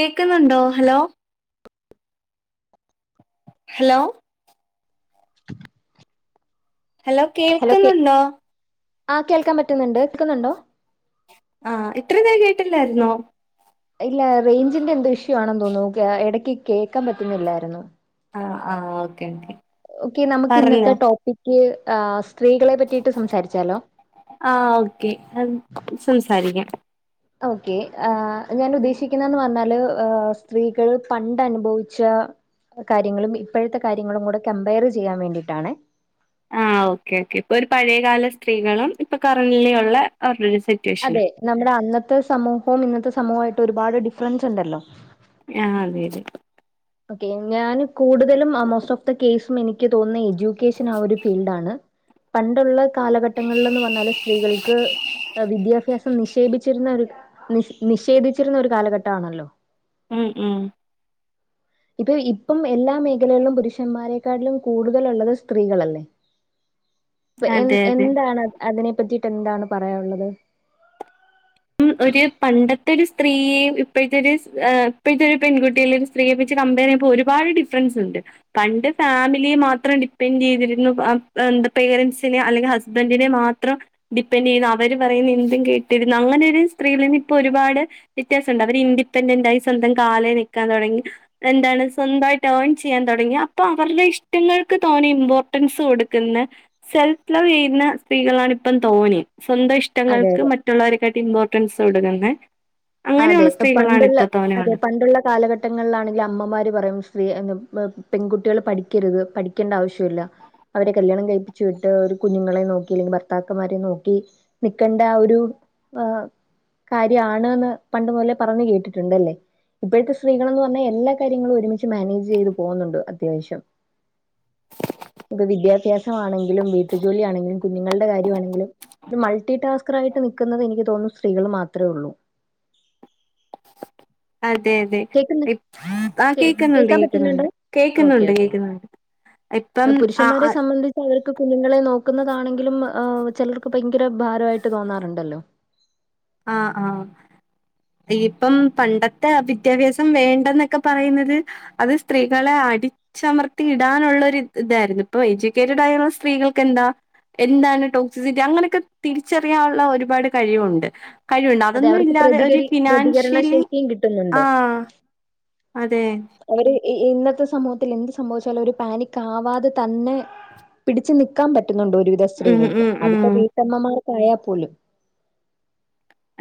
കേക്കുന്നുണ്ടോ hello [inaudible] hello [inaudible] hello കേൾക്കുന്നുണ്ടോ ആഹ് കേൾക്കാൻ പറ്റുന്നുണ്ട് കേക്കുന്നുണ്ടോ ആഹ് ഇത്രനേ കേട്ടില്ലാരുന്നോ ഇല്ല റേഞ്ചിന്റെന്തോ ഇഷ്യു ആണെന്ന് തോന്നുന്നു ങ്ഹാ എടയ്ക്ക് കേക്കാൻ പറ്റുന്നില്ലായിരുന്നു ആഹ് ആഹ് ഓക്കേ ഓക്കേ ഓക്കെ നമുക്ക് ഇന്നത്തെ ടോപ്പിക്കെ ആഹ് സ്ത്രീകളെ പറ്റീട്ട് സംസാരിച്ചാലോ ആഹ് ഓക്കെ സംസാരിക്കാം ഓക്കേ ആഹ് ഞാൻ ഉദ്ദേശിക്കുന്നേന്നു പറഞ്ഞാലെ ഏഹ് സ്ത്രീകൾ പണ്ടനുഭവിച്ച കാര്യങ്ങളും ഇപ്പോഴത്തെ കാര്യങ്ങളും കൂടെ കമ്പയറു ചെയ്യാൻ വേണ്ടീട്ടാണേ ആഹ് ഓക്കെക്കെ ഇപ്പൊ ഒരു പഴേകാല സ്ത്രീകളും ഇപ്പ കറന്റ്ലി ഉള്ള അതെ സിറ്റുവേഷനും നമ്മടെ അന്നത്തെ സമൂഹവും ഇന്നത്തെ സമൂഹവുമായിട്ട് ഒരുപാട് ഡിഫറൻസ് ഉണ്ടല്ലോ ആഹ് വരും ഓക്കെ ഞാൻ കൂടുതലും മാ മോസ്റ്റ് ഓഫ് ദി കേസുമെനിക്ക് തോന്നുന്നേ എഡ്യൂക്കേഷൻ ആഹ് ഒരു ഫീൽഡാണ് പണ്ടുള്ളേയ് കാലഘട്ടങ്ങളിൽന്ന് പറഞ്ഞാല് സ്ത്രീകൾക്ക് ഏഹ് വിദ്യാഭ്യാസം നിക്ഷേപിച്ചിരുന്നൊരു നി നിഷേധിച്ചിരുന്നൊരു കാലഘട്ടമാണല്ലോ ഉം ഉം ഇപ്പൊ ഇപ്പം എല്ലാ മേഖലകളിലും പുരുഷന്മാരെക്കാട്ടിലും കൂടുതലുള്ളത് സ്ത്രീകളല്ലേ [inaudible] ഇതെ എഹ് അതെ എന്തെ എന്താണ് അതിനെ പറ്റീട്ട് എന്താണ് പറയാനുള്ളത് ഉം ഒരു പണ്ടത്തെ ഒരു സ്ത്രീയേയും ഇപ്പഴത്തൊരു ആഹ് ഇപ്പഴത്തൊരു പെൺകുട്ടിലും സ്ത്രീയെപ്പിച്ച് കമ്പയറു ചെയ്യുമ്പോ ഒരുപാട് ഡിഫറൻസിണ്ട് പണ്ട് ഫാമിലിയെ മാത്രം ഡിപ്പെെൻഡ് ചെയ്തിരുന്നു ആഹ് എന്താ പേരൻസിനെ അല്ലെങ്കി ഹസ് ബൻറിനെ മാത്രം ഡിപ്പെൻഡ് ചെയ്തെ അവരു പറയുന്ന എന്തും കേട്ടിരുന്ന അങ്ങനെ ലീ സ്ത്രീതലിപ്പോ ഒരുപാടെ വ്യത്യാസൊണ്ട് അവരിൻഡിപെൻഡന്റായി സ്വന്തം കാലേ നിക്കാൻ തൊടങ്ങി എന്താണ് സ്വന്തായിട്ടേൺ ചെയ്യാൻ തൊടങ്ങി അപ്പൊ അവരുടെ ഇഷ്ടങ്ങൾക്ക് തോനെ ഇമ്പോർട്ടൻസു കൊടുക്കുന്ന സെൽഫ് ലവ് ചെയ്യുന്ന സ്ത്രീകളാണ് ഇപ്പം തോന്നേ സ്വന്ത ഇഷ്ട് അതെ തങ്ങൾക്ക് മറ്റുള്ളവരെക്കാട്ടി ഇമ്പോർട്ടൻസ് കൊടുക്കുന്നേ അതെ ഇപ്പ പണ്ടുള്ള അതെ പണ്ടുള്ള കാലഘട്ട് ട്ടങ്ങളിലാണെങ്കിൽ അമ്മമാര് പറയും സ്ത്രീ മെഹ് പെൺകുട്ടികൾ പഠിക്കരുത് പഠിക്കണ്ട ആവശ്യില്ല അവരെ കല്യാണം കഴിപ്പിച്ചു വിട്ടേ ഒരു കുഞ്ഞുങ്ങളെ നോക്കി അല്ലെങ്കി ഭർത്താക്കന്മാരെ നോക്കി നിക്കണ്ടാ ഒരു ആഹ് കാര്യാണേന്ന് പണ്ടു മുതലെ പറഞ്ഞ് കേട്ടിട്ടുണ്ടല്ലേ ഇപ്പഴത്തെ സ്ത്രീകളെന്നു പറഞ്ഞാ എല്ലാ കാര്യങ്ങളും ഒരുമിച്ച് മാനേജ് ചെയ്ത് പോകുന്നുണ്ട് അത്യാവശ്യം അത് വിദ്യാഭ്യാസമാണെങ്കിലും വീട്ടുജോലിയാണെങ്കിലും കുഞ്ഞുങ്ങളുടെ കാര്യാണെങ്കിലും മൾട്ടി ടാസ്ക്കറായിട്ട് നിക്കുന്നത് എനിക്ക് തോന്നുന്നു സ്ത്രീകളു മാത്രേ ഉള്ളൂ അതെ അതെ കേൾക്കുന്ന ആഹ് കേ കേക്കുന്നുണ്ട് കേക്കുന്നുണ്ട് കേക്കാൻ പറ്റുന്നുണ്ടോ കേക്കുന്നുണ്ട് കേക്കുന്നുണ്ട് ഇപ്പം ഏഹ് ആ പുരുഷന്മാരെ ആ സംബന്ധിച്ച് അവറക്ക് കുഞ്ഞുങ്ങളെ നോക്കുന്നതാണെങ്കിലും ഏഹ് ചെലർക്ക് ഭയങ്കര ഭാരമായിട്ട് തോന്നാറുണ്ടല്ലോ ആഹ് ആഹ് തീപ്പം പണ്ടത്തെ ആഹ് വിദ്യാഭ്യാസം വേണ്ടന്നൊക്കെ പറയുന്നത് അത് സ്ത്രീകളെ അടിച് ച്ചമർത്തി ഇടാനൊള്ളൊരു ഇതാരുന്നു ഇപ്പൊ എഡ്യൂക്കേറ്റഡായുള്ള സ്ത്രീകൾക്കെന്താ എന്താണ് ടോക്സിസിറ്റി അങ്ങനൊക്കെ തിരിച്ചറിയാനുള്ള ഒരുപാട് കഴിവുണ്ട് കഴിവുണ്ട് അതെ അതൊന്നും അവർക്ക് ഇല്ലാതെ ഒരു പ്രതികരി പ്രതികരണ ഫിനാൻഷ്യലി ശേഷിയും കിട്ടുന്നുണ്ട് ആഹ് അതെ അവര് ഈ ഇന്നത്തെ സമൂഹത്തിൽ എന്ത് സംഭവിച്ചാലും അവര് പാനിക് ആവാതെ തന്നെ പിടിച്ച് നിക്കാൻ പറ്റുന്നൊണ്ട് ഒരുവിധം ഉം സ്ത്രീകൾക്ക് ഉം ഉം അതിപ്പോ ബി റ്റമ്മമാരെക്കായാൽ പോലും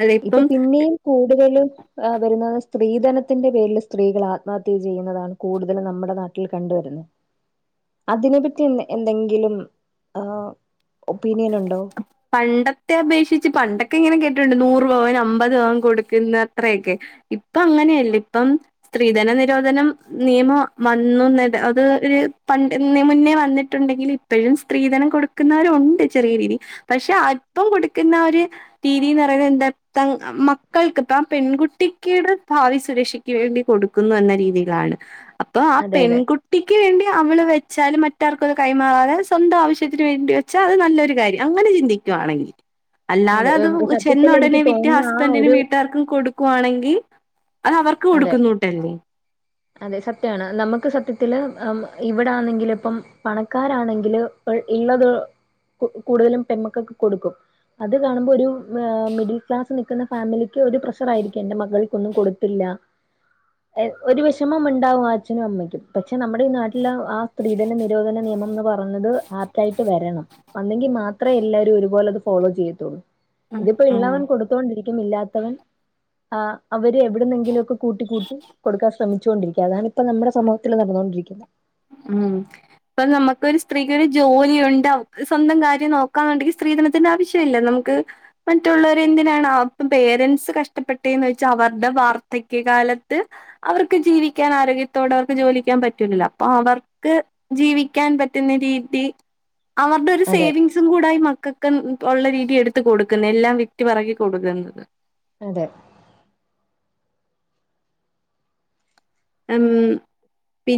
അല്ല ഇപ്പൊ ഇപ്പം പിന്നെയും കൂടുതലും അ വരുന്നത് സ്ത്രീധനത്തിന്റെ പേരില് സ്ത്രീകളാ മത്യു ചെയ്യുന്നതാണ് കൂടുതലും നമ്മുടെ നാട്ടിൽ കണ്ടുവരുന്നെ അതിനെപ്പറ്റി എന്ന് എന്തെങ്കിലും ആം ഒപ്പീനിയൻ ഒണ്ടോ പണ്ടത്തെ അപേക്ഷിച്ച് പണ്ടൊക്കെ ഇങ്ങനെ കേട്ടിട്ട്ണ്ട് നൂറു ഭവൻ അമ്പത് ഭവൻ കൊടുക്ക്ന്ന് അത്രയൊക്കെ ഇപ്പങ്ങനെയല്ല ഇപ്പം സ്ത്രീധന നിരോധനം നിയമം വന്നു ന്ന്ത് അത് ഒര് പണ്ടെന്നേ മുന്നേ വന്നിട്ടുണ്ടെങ്കില് എപ്പഴും സ്ത്രീധനം കൊടുക്കുന്നവരെ ഒണ്ട് ചെറിയ രീതി പക്ഷെ അല്പ്പം കൊടുക്കുന്നവര് തീ വി ന്നറയ്ന്നത് എന്താത്താ മക്കൾക്ക് ഇപ്പ ആ പെൺകുട്ടിക്കിട് ഭാവി സുരക്ഷി ക്കിവേണ്ടി കൊടുക്കുന്നു എന്ന രീതിയിലാണ് അപ്പൊ ആ അതെ അതെ പെൺകു ട്ടിക്ക് വേണ്ടി അവള് വെച്ചാലും മറ്റാർക്കുംത് കൈമാറാതെ സ്വന്തം ആവശ്യത്തിന് വേണ്ടി വെച്ചാ അത് നല്ലൊരു കാര്യം അങ്ങനെ ചിന്തിക്കുവാണെങ്കി അല്ലാതെ അതെ അത് ചെന്ന സത്യത്തിൽ എനിക്ക് ഒടനെ വിറ്റ് തോന്നുന്ന ആ ഹസ്ബന്റിനും ഒരു വീട്ടുകാർക്കും കൊടു കുവാണെങ്കി അത് അവർക്ക് അതെ കൊടുക്കുന്നുട്ടല്ലേ അതെ സത്യാണ് നമ്മക്ക് സത്യത്തില് അം ഇവിടെ ആന്നെങ്കില് ഇപ്പം പണക്കാരാണെങ്കില് പൾ ഇള്ളത് കു കൂടുതലും പെമ്മക്കക്ക് കൊടുക്കും അത് കാണുമ്പോ ഒരു മിഡിൽ ക്ലാസ് നിക്ക്ന്ന ഫാമിലിക്ക് ഒരു പ്രഷർ ആയിരിക്കും എൻറെ മകൾ കൊന്നും കൊടു ഇല്ല ഒരു വിഷമം മ്ണ്ടാവും ആ അച്ഛനും അമ്മയ്ക്കും പക്ഷെ നമ്മടെ ഈ നാട്ടില് ആ സ്ത്രീധന നിരോധന നിയമംന്ന് പ ഒന്നത് ആപ്റ്റായിട്ട് വരണം വന്നെങ്കി മാത്രയെ എല്ലാരു ഒരുപോലെ അത് ഫോളോ ചെയ്യത്തൊള്ളൂ ഉം ഇതിപ്പോ ഉം ഇള്ളവൻ കൊടു തോണ്ടിരിക്കിന്നില്ലാത്തവൻ ആ അവര് എവിടുന്നെങ്കിലും ഒക്കെ കൂട്ടി കൂട്ടി കൊടുക്കാ ശ്രമിച്ചുകൊണ്ടരിക്ക അതാണ് ഇപ്പ നമ്മുടെ സമൂഹത്തിൽ നടന്നോണ്ടിരിക്കിന്നെ ഉം ഇപ്പം നമുക്ക് ഒരു സ്ത്രീകള് ജോലിയെണ്ട് അവക്ക് സ്വന്തം കാര്യം നോക്കാന്നെണ്ടെങ്കി ഈ സ്ത്രീധന അതനാവശ്യ ഇല്ലെ നമുക്ക് മറ്റുള്ളവരെ എന്തിനാണ് അപ്പം പേരൻറ്സ് കഷ്ടപ്പെട്ടേന്ന് വോച്ചേന്ന് വെച്ച അവര്ടെ വാർധക്യ കാലത്ത് അവർക്ക് ജീവിക്കാനാ ആരോഗ്യത്തോടെ അവർക്ക് ജോലിക്കോവാൻ പറ്റൂലല്ല പ്പ അവർക്ക് ജീവിക്കാൻ പറ്റുന്ന രീതി അവര്ടെ ഒരു അതെ സേവിങ്സ് തും കൂടായി മക്കക്ക് ഉള്ള രീതി എടുത്ത് കൊടുക്ക്ന്നെ എല്ലാം വിറ്റ് പറ്ക്കി കൊടുക്ക്ന്നത് അതെ എം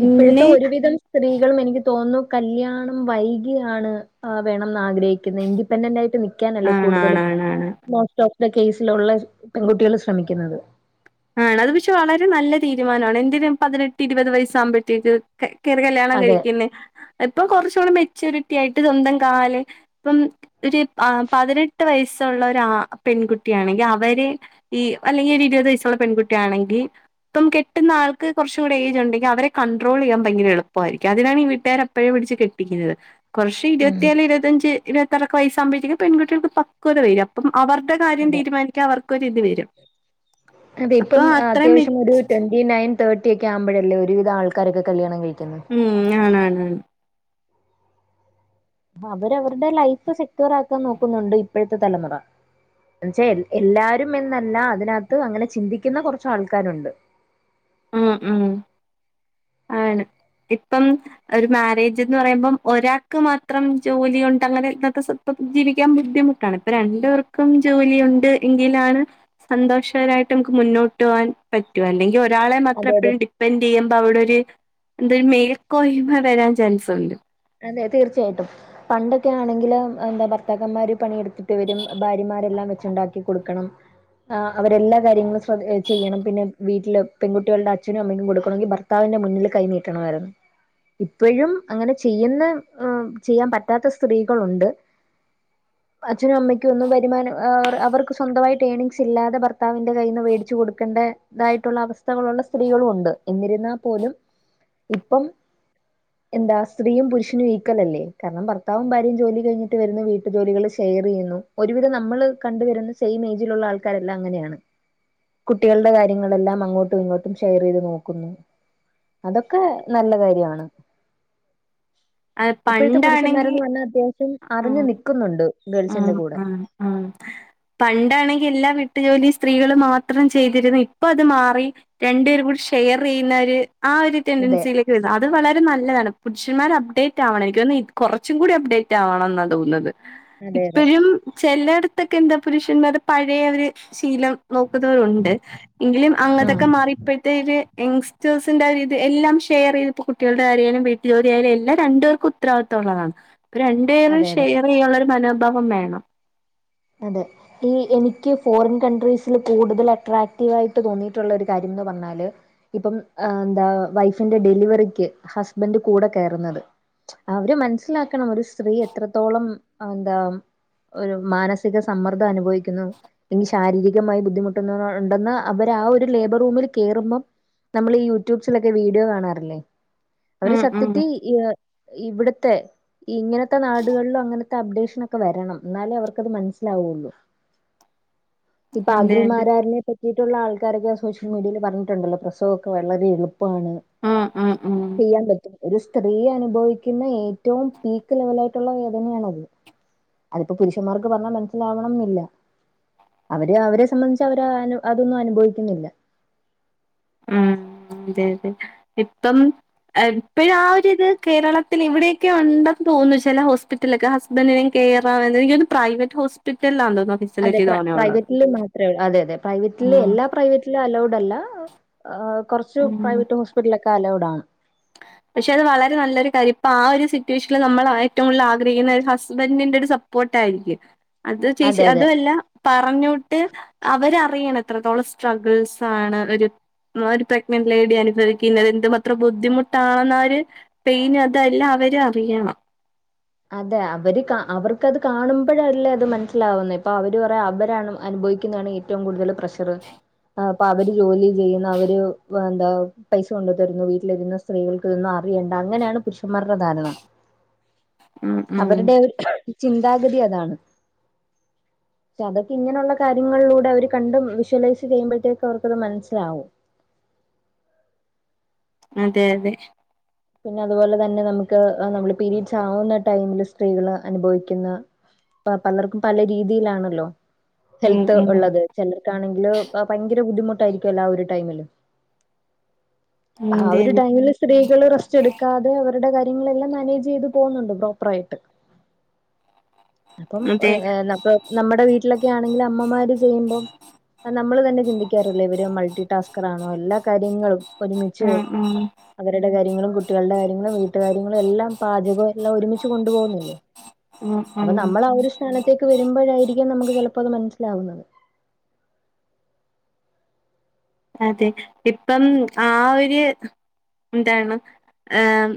ഇപ്പഴ്ത്തെ ഒരുവിധം സ്ത്രീകളുമെനിക്ക് തോന്നു കല്യാണം വൈകിയാണ് ആ വേണംമ്ന്ന് ആഗ്രഹി ക്കിന്നെ ഇൻഡിപെൻഡന്റ് ആയിട്ട് നിക്കിനല്ലേ കൂടുതലും ആണാണാണാണ് മോസ്റ്റ് ഓഫ് ദ കേസ്‌ലെള്ള പെൺകുട്ടികൾ ശ്രമിക്കുന്നത് ആണ് അത് പക്ഷെ വളരെ നല്ല തീരുമാനാണ് എന്തിന് പതിനെട്ട് ഇരുപത് വയസാമ്പത്തേക്ക് കേറി കല്യാണം അതെ കഴിക്കിന്നേ ഇപ്പൊ കൊറച്ചോടെ മെച്ചൂരിറ്റി ആയിട്ട് സ്വന്തം കാലെ ഇപ്പം ഒരു അ പതിനെട്ട് വയസൊള്ള ഒര അ പെൺകുട്ടിയാണെങ്കി, അവരെ- ഈ അല്ലെങ്കി ഒരു ഇരുപത് വയസ്സ്ള്ള പെൺകുട്ടിയ ആണെങ്കി- ഇപ്പം കെട്ടുന്ന ആൾക്ക് കുറച്ചൂടെ ഏജ് ഒണ്ടെങ്കി അവരെ കൺട്രോ ചെയ്യൻ ഭയങ്കര എളുപ്പം ആയിരിക്കും അതിനാണ് വീട്ടുക്കാര - ഇപ്പഴെ പിടിച്ച് കെട്ടിക്കിന്നത് കൊറച്ച് ഉം ഇരുപത്തിയേള് ഇരുപത്തഞ്ച് ഇരുപത്താറെക്കെ വയസ്സാക്മ്പഴ്ത്തേക്കും പെൺകുട്ടികൾക്ക് പ- കുത വര് അപ്പം അവർടെ കാര്യം അതെ. തീരുമാനിക്കാൻ അവർക്കൊരിത് വരും. അതെ അപ്പൊ ഇപ്പം അത്രയും മെ അത്യാവശ്യം ഒരു ടെൻ- ഈ നയൻ, തേട്ടി കെ ആകുമ്പോഴല്ലേ ഒരുവിധ ആൾക്കാരൊക്കെ കല്യാണം കഴിക്കിന്നെ, ഉം ആണ് ആണ്... അവരവര്ടെ ലൈഫ് സെക്യൂറ ആക്കാൻ നോക്കുന്നുണ്ട് ഇപ്പഴ്ത്തെ തലമുറ. എന്നൊച്ച എല്ലാരും എന്നല്ല- അതിനകത്ത് അങ്ങനെ- ചിന്തിക്കുന്ന കുറച്ച ആൾക്കാരുണ്ട്. ഉം ഉം... ആണ് ഇപ്പം, ഒരു മാരേജ് എന്ന് പറയുമ്പം, ഒരാൾക്ക് മാത്രം ജോലി ഉണ്ടെന്ന് അങ്ങനെ ഇന്ന- ഇപ്പം ജീവിക്കാൻ ബുദ്ധിമുട്ടാണ്, ഇപ്പോ രണ്ടപേർക്കും ജോലി ഉണ്ട് എങ്കിലാണ്, സന്തോഷകരായിട്ട് നമുക്ക് മുന്നോട്ട് പോകവാൻ പറ്റും, അല്ലെങ്കിൽ ഒരാളെ മാത്രം അതെ അതെ എപ്പോഴും ഡിപ്പെൻഡ് ചെയ്യുമ്പോൾ അവിടെ- എന്ത മേൽക്കോഹിമ വരാൻ ചാൻസുണ്ട്. അതെ തീർച്ചയായിട്ടും, പണ്ടൊക്കെ ആണെങ്കിലും എന്താ? ഭർത്താക്കന്മാര് പണിയെടുത്തിട്ട്- വരും ഭാര്യമാരെല്ലാം വെച്ചുണ്ടാക്കി കൊടുക്കണം, ആ അവരെല്ലാ കാര്യങ്ങളും ശ്ര ചെയ്യണം പിന്നെ വീട്ടില് പെൺകുട്ടികളുടെ അച്ഛനുമ്മയ്ക്കും കൊടുക്കണങ്കിൽ- ഭർത്താവിന്റെ മുന്നിൽ കൈനീട്ടണമായിരുന്നു. ഇപ്പോഴും അങ്ങനെ- ചെയ്യുന്ന, ചെയ്യാൻ പറ്റാത്ത സ്ത്രീകളുണ്ട്. അച്ഛനും അമ്മയ്ക്കൊന്നും, വരുമാനം അവർക്ക് സ്വന്തമായി- ഏർനിങ്സ് ഇല്ലാതെ- ഭർത്താവിന്റെ കയ്യി നിന്ന് മേടിച്ച്- കൊടുക്കേണ്ട ഇതായിട്ടുള്ള അവസ്ഥ, സ്ത്രീകളും ഉണ്ട്, എന്തിരുന്നാൽ പോലും ഇപ്പം എന്താ? സ്ത്രീയും പുരുഷനും ഈക്വലല്ലേ കാരണം ഭർത്താവും, ഭാര്യയും ജോലി കഴിഞ്ഞിട്ട് വരുന്നു, വീട്ടു ജോലികള് ഷെയർ ചെയ്യുന്നു. ഒരുവിധം നമ്മള് കണ്ടുവരുന്ന സെയിം ഏജിലുള്ള ആൾക്കാരെല്ലാം അങ്ങനെയാണ്. കുട്ടികളുടെ കാര്യങ്ങളെല്ലാം അങ്ങോട്ടും, ഇങ്ങോട്ടും ഷെയർ ചെയ്ത് നോക്കുന്നു. അതൊക്കെ നല്ല കാര്യമാണ്. അത് ഇപ്പോഴത്തെ പണ്ടാണെങ്കി പുരുഷന്മാരന്ന് പറഞ്ഞാൽ അത്യാവശ്യം അറിഞ്ഞു നൽക്കുന്നുണ്ട്. അ അ അ... പണ്ടാണെങ്കി എല്ലാ വീട്ടുജോലി സ്ത്രീകള് മാത്രം ചെയ്തിര്ന്ന് ഇപ്പ അത് മാറി. രണ്ടുപേരും കൂടി ഷെയർ ചെയ്യുന്നവര് ആ ഒരു അതെ ടെഡൻസിയില്- അത് വളരെ നല്ലതാണ് പുരുഷന്മാർ അപ്ഡേറ്റ് ആണം എനിക്ക്- തോന്നുന്നു കുറച്ചും കൂടി അപ്ഡേറ്റ് ആവണം എന്നാ തോന്നുന്നത്. അതെ അതെ ഇപ്പോഴും ചിലയിടത്തക്കെ എന്താ? പുരുഷമാരെ പഴയ ഒരു ശീലം- നോക്കുന്നവരുണ്ട് എങ്കിലും ഉം അങ്ങത്തക്കെ മാറി- ഇപ്പോഴത്തെ ഒരു യങ്സ്റ്റേഴ്സിന്റെ, ഇത് എല്ലാം ഷെയർ ചെയ്ത് ഇപ്പം കുട്ടികളുടെ കാര്യാലും, വീട്ടിൽ ജോലി ആയാലും എല്ലാം രണ്ടുപേർക്കും- ഉത്രത്തുള്ളതാണ് ഇപ്പം രണ്ടു പേരും അതെ അതെ ഷെയർ ചെയ്യാനുള്ള ഒരു- മനോഭാവം വേണം. അതെ... ഈ എനിക്ക് ഫോറിൻ കൺട്രീസിൽ കൂടുതൽ അട്രാക്റ്റീവായിട്ട് തോന്നിയിട്ടുള്ളൊരു കാര്യന്ന്- പറഞ്ഞാല്, ഇപ്പം എന്താ വൈഫിന്റെ ഡെലിവറിക്ക് ഹസ്ബൻഡ് കൂടെ കയറുന്നത്. അവര് മനസ്സിലാക്കണം ഒരു സ്ത്രീ, എത്രത്തോളം എന്താ? ഒരു മാനസ- സിക സമ്മർദ്ദം അനുഭവിക്കുന്നു. എങ്കിൽ ശാരീരികമായി ബുദ്ധിമുട്ടുന്ന ഉണ്ടെന്ന് അവര് ആ ഒരു ലേബർ റൂമിൽ കയറുമ്പം- നമ്മള് ഈ യൂട്യൂബ്സിലൊക്കെ വീഡിയോ കാണാറില്ലേ? അവര് ഉം ഉം സത്യത്തിൽ- ഇവിടത്തെ ഇങ്ങനത്തെ, നാടുകളിലും അങ്ങനത്തെ അപ്ഡേഷനൊക്കെ വരണം. എന്നാലെ അവർക്ക് അത് മനസ്സ ലാവുള്ളു, ഇപ്പ അതെ അതെ അകിൽമാരാറിനെ പറ്റി- കീട്ടുള്ള ആൾക്കാരൊക്കെ സോഷ്യൽ മീഡിയയിൽ പറഞ്ഞിട്ടുണ്ടല്ലോ പ്രസവൊക്കെ വളരെളുപ്പമാണ്. ഉം ഉം ഉം... ചെയ്യാൻ പറ്റും ഒരു സ്ത്രീ അനുഭവിക്കുന്ന ഏറ്റവും പീക്ക് ലെവലായിട്ട്- ട്ടുള്ള വേദനകള് അതിപ്പോ പുരുഷന്മാർക്ക് പറ- സിലാവണന്നില്ല അവര് അവരെ സംബന്ധിച്ച് അവര് അതൊന്നും അനുഭവിക്കുന്നില്ല. ഉം അതെ യതെ ഇപ്പം ആരിപ്പഴാ ര്‌ര് കേരളത്തില് ഇവിടെയൊക്കെ ഉണ്ടെന്ന് തോന്നുന്നു ചെല ഹോസ്പി റ്റൽല് ഹസ്ബൻഡിന് കേറാ അല്ലങ്കില് പ്രവറ്റ് ഹോസ്പിറ്റൽലാ [unintelligible] അതെ പ്ര പ്രൈവറ്റില് മാത്രേള്ളൂ അതെ യതെ പ്രൈവറ്റ്ല് ആഹ് എല്ലാ പ്രൈവറ്റിലും അലൗഡല്ല. ഏഹ് കൊർച്ച് ഉം പ്രൈവറ്റ് ഹോസ്പിറ്റൽ ലൊക്കെ അലൗഡാണ്. പക്ഷെ അത് വളരെ നല്ലൊരു കാര്യ ഇപ്പാ ഒര് സിറ്റുവേഷൻല് നമ്മളാ ഏറ്റവും കൂടുതൽ ആഗ്രഹിക്കുന്നെ ഒരു ഹസ്ബൻസിന്റെ ഒരു സ പോട്ടായിരിക്കും അത് ചേച്ചി അതെ അതെ അതുവല്ല പറഞ്ഞോട്ട് അവരറിണ് എത്രത്തോളം സ്ട്രഗിൾസാണ് ഇവര് ഒരു പ്രഗ്നന്റ് ലേഡി അനുഭവിക്കുന്ന എന്ത് മാത്ര ബുദ്ധിമു ട്ടാന്നര് പെയ്ന് അതെല്ലാം അവര് അറിയണം. അതെ അവര് കാ അവർക്കത് കാണുമ്പഴല്ലേ അത് മൻസ്സിലാവുന്നെ ഇപ്പൊ അവര് പറയാ അവരാണ് അനുഭവിക്കുന്നാണ് ഏ റ്റവും കൂടുതൽ പ്രഷർ ആ പ്പ അവര് ജോലി ചെയ്യുന്നു അവര് എന്താ പൈസ കൊണ്ട് തരുന്നു വീട്ടിലിര്ന്ന് സ്ത്രീകൾക്കിതൊന്നും അറിയണ്ട അങ്ങനെണ് പുരുഷന്മാരുടെ ധാരണ ഉം ഉം അവരുടെ ചിന്താഗതി അതാണ്. ക്ഷേ അതൊക്കെ ഇങ്ങനൊള്ള കാര്യങ്ങളിലൂടെ അവര് കണ്ടും വിഷ്വലൈസ് ചെയ്യുമ്പോഴത്തേക്ക് അവർക്ക്ത് മൻസ്സിലാവും. അതെ യതെ പിന്നെ അത്പോലെ തന്നെ നമക്ക് നമ്മള് പീരീഡ്സാവുന്ന ടൈമില് സ്ത്രീകള് അനുഭവിക്കുന്ന പ്പ പലർക്കും പല രീതിയിലാണല്ലോ ഉം ഹെൽത്ത് ഉം ഒള്ളത് ചെലർക്കാണെങ്കില് ഭ ഭയങ്കര ബുദ്ധിമുട്ടായിരിക്കൊ ല്ലോ ആ ഒര് ടൈമില്. ആ അതെ ഒര് അതെ ടൈമില് സ്ത്രീകളെ റെസ് ക്കാതെ അവരുടെ കാര്യങ്ങളെല്ലാം മാനേജെയ്ത് പോവുന്നുണ്ട് പ്രോപ്പറായിട്ട്. അപ്പം അതെ ഒര് ഏഹ് ന്നപ്പൊ നമ്മടെ വീട്ടിലൊക്കണെങ്കില് അമ്മമാര് ചെയ്യുമ്പം നമ്മള് തന്നെ ചിന്തിക്കാറില്ല ഇവര് മൾട്ടി ടാസ്കറാണോ എല്ലാ കാര്യങ്ങളും ഒര്മിച്ച് ഉം ഉം അവരുടെ കാര്യങ്ങളും കു ട്ട്യൾടെ കാര്യങ്ങളും വീട്ട് കാര്യങ്ങളും എല്ലാം പാചകും എല്ലാം ഒരുമിച്ച് കൊണ്ട്പോകുന്നില്ലേ ഉം അപ്പൊ ഉം നമ്മൾ ആ ഒര് സ്ഥാനത്തേക്ക് വരുമ്പഴായിരിക്കും നമക്ക് ചെലപ്പോ അത് മൻസ്സിലാവുന്നത്. അതെ ഇപ്പം ആ ഒര് എന്താണ് ആം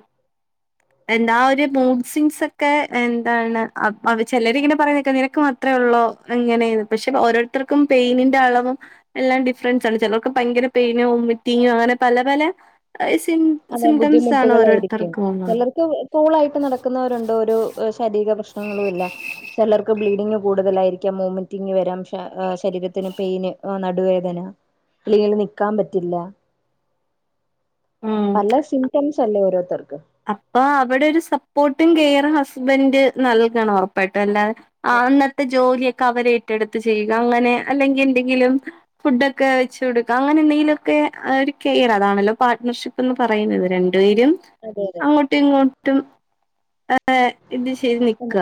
എന്താ ഒര് മൂഡ് സെൻസൊക്കെ എന്താണ് അപ് അവ് ചെലര്ങ്ങനെ പറിണേക്ക നിനക്ക് മാ ത്രേ ള്ളോ ഇങ്ങനെ പക്ഷെ ഓരോര്ത്തർക്കും പെയ്നിന്റെ അളവും എല്ലാം ഡിഫറൻസാണ് ചെലർക്ക് ഭയങ്കര പെയിനോ ഒമിറ്റിങ്ങോ അങ്ങനെ പലെ പലെ എഹ് സെം അതെ സിംറ്റൻസാണ് ബുദ്ധിമുട്ടുകളായിരിക്കും ഓരോര്ത്തർക്കും [unintelligible] ചിലർക്ക് കൂളായിട്ട് നടക്കുന്നവരുണ്ടൊരു എഹ് ശാരീര പ്രശ്നങ്ങളുല്ല. ചെലർക്ക് ബ്ലീഡിങ് കൂടുതലായിരിക്കും ഒമിറ്റിങ് വരാം ശ എഹ് ശരീരത്തിന് പെയ്ന് എഹ് നടുവേദന പ്ലീങ്ങനെ നിക്കാൻ പറ്റില്ല പലെ സിംറ്റംസല്ലേ ഓരോര്ത്തർക്ക് അപ്പ അവടൊരു സപ്പോർട്ടിങ് കെയറിങ് ഹസ്ബന്ഡ് നൽകണം ഒറപ്പായിട്ടും അല്ലാതെ ആഹ് അന്നത്തെ ജോല്യെക്കെ അവരെറ്റെട്ത്ത് ചെയ്യുക അങ്ങനെ അല്ലെങ്കി എന്തെങ്കിലും ഫുഡൊക്കെ വെച്ച് കൊട്ക്ക അങ്ങനെന്തെങ്കിലൊക്കെ ആ ഒര് കെയർ അതാണല്ലോപാട്ണർഷിപ്പ് എന്ന് പറയുന്നത് രണ്ട്പേരും അതെ യതെ ങ്ങോട്ടിങ്ങോട്ടും എഹ് ഇത് ചെയ്ത് നിക്ക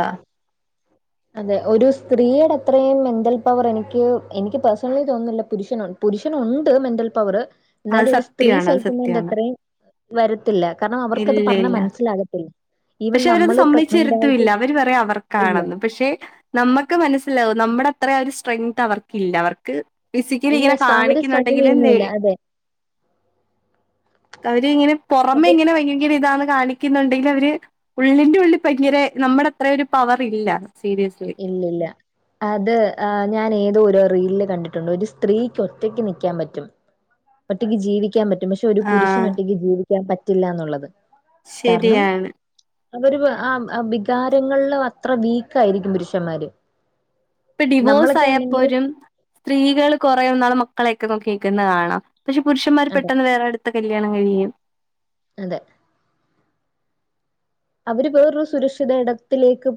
അതെ ഒരു സ്ത്രീയുടെ അത്രയും മെന്റൽ പവർ എനിക്ക് എനിക്ക് പേഴ്സണലി തോന്നില്ല പുരുഷനു പുരുഷനുണ്ട് മെന്റൽ പവറ് അത് എന്നാലും ഒരു സ്ത്രീ സത്യാണ് അത് സത്യാണ്. സഹിക്കുന്നയ്ന്റെത്രയും വരത്തില്ല കാരണം അവർക്കത് ഇല്ല പറഞ്ഞാ ഇല്ല. മൻസ്സിലാകത്തില്ല പക്ഷെ അവരത് സമ്മയ്ച്ചെരത്തുല്ല അവര് പറയാ ഇല്ല അവർക്കാണെന്ന് പക്ഷെ നമ്മക്ക് മനസ്സിലാവും നമ്മടത്രെ ഒരു സ്ട്രെങ്ത് അവർക്കില്ല അവർക്ക് ഇല്ല ഫിസിക്കലിങ്ങനെ അവര് സ്ട്രഗിൾ കാണിക്കുന്നുണ്ടെങ്കിലും നേ ചെയ്യുന്നുല്ല അതെ അവരിങ്ങനെ പൊറമെ അത് ഇങ്ങനെ ഭയങ്കര ഇതാന്ന് കാണിക്ക ക്കുന്നുണ്ടെങ്കിൽ അവര് ഉള്ളിന്റെ ഉള്ളിൽ ഭയങ്കര നമ്മുടെയത്ര ഒരു പവർ ഇല്ല സീരിയസ്ലി ഇല്ലയില്ല അത് ഞാൻ ഏതോരോ റീലില് കണ്ടിട്ടുണ്ട് ഒരു സ്ത്രീക്ക് ഒറ്റക്ക് നിൽക്കാൻ പറ്റും ഒറ്റക്ക് ജീവിക്കാൻ പറ്റും പക്ഷെ ഒരു പുരുഷന് ആഹ് ഒറ്റക്ക് ജീവിക്കാൻ പറ്റില്ല എന്നുള്ളത് കാരണം ശരിയാണ്. അവര് ആ വികാരങ്ങളില് അത്ര വീക്ക് ആയിരിക്കും പുരുഷന്മാര് ഇപ്പൊ ഡിവോഴസ് നമ്മളൊക്കെ ആണെങ്കില് ആയപ്പോലും സ്ത്രീള് കൊറെ ഒന്നാള് മക്കളെയൊക്കെ നോക്കിക്കുന്നത് കാണാം പക്ഷെ പുരുഷന്മാര് അതെ പെട്ടെന്ന് വേറെ അടുത്ത കല്യാണം കഴിയും അതെ അവര് വേറൊരു സുരക്ഷിതയിടത്തിലേക്ക് -